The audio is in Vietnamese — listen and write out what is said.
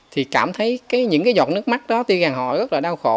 thì cảm thấy những cái giọt nước mắt đó tuy rằng họ rất là đau khổ